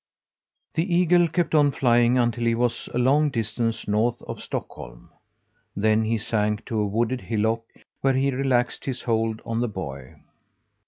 The eagle kept on flying until he was a long distance north of Stockholm. Then he sank to a wooded hillock where he relaxed his hold on the boy.